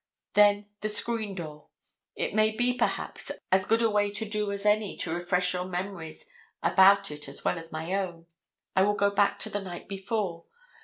Then the screen door. It may be, perhaps, as good a way to do as any to refresh your memories about it as well as my own. I will go back to the night before.